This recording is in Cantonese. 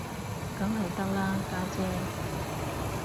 梗係得啦，家姐